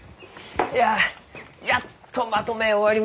いややっとまとめ終わりました！